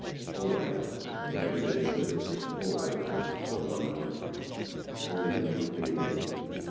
"Poor lad." The Major bit his lip. "Poor lad— I wonder. They called him the Company Idiot.